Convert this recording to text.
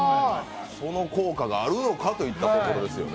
その効果があるのかといったところですよね。